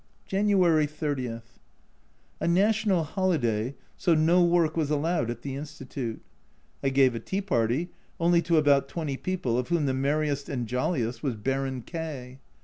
January 30. A national holiday, so no work was allowed at the Institute. I gave a tea party, only to about twenty people, of whom the merriest andjolliest was Baron K